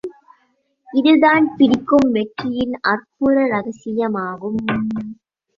இதுதான் பிடிக்கும் வெற்றியின் அற்புத ரகசியமாகும்.